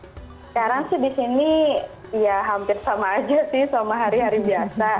sekarang sih di sini ya hampir sama aja sih sama hari hari biasa